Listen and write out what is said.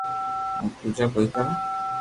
ھون پوجا ڪوئيي ڪرو